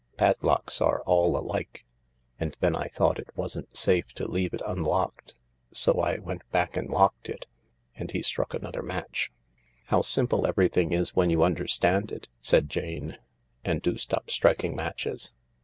Padlocks are all alike. And then I thought it wasn't safe to leave it unlocked, so I went back and locked it." And he struck another match. ^" How simple everything is when you understand it," said Jane ;" and do stop striking matches.